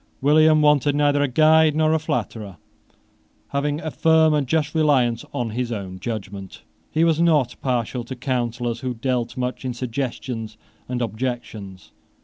William wanted neither a guide nor a flatterer. Having a firm and just reliance on his own judgment, he was not partial to counsellors who dealt much in suggestions and objections.